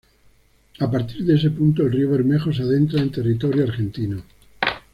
A partir de ese punto el río Bermejo se adentra en territorio argentino.